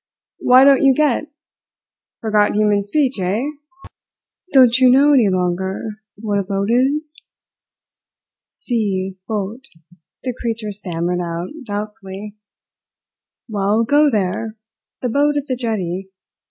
Why don't you get? Forgot human speech, eh? Don't you know any longer what a boat is?" "Si boat," the creature stammered out doubtfully. "Well, go there the boat at the jetty.